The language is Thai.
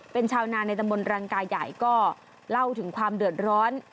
เป็นชาวนาในตำบลรังกายใหญ่ก็เล่าถึงความเดือดร้อน